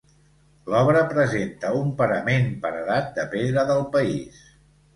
L'obra presenta un parament paredat de pedra del país.